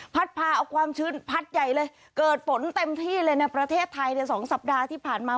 พาเอาความชื้นพัดใหญ่เลยเกิดฝนเต็มที่เลยในประเทศไทยในสองสัปดาห์ที่ผ่านมา